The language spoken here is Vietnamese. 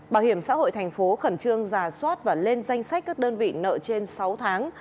bảo hiểm xã hội thành phố khẩn trương giả soát và lên danh sách các đơn vị nợ trên sáu tháng